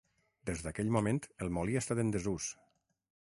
Des d'aquell moment, el molí ha estat en desús.